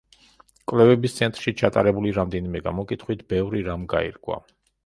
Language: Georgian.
კვლევების ცენტრში ჩატარებული რამდენიმე გამოკითხვით, ბევრი რამ გაირკვა.